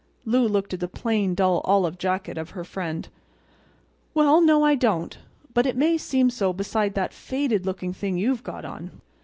Lou looked at the plain, dull olive jacket of her friend. "Well, no I don't—but it may seem so beside that faded looking thing you've got on."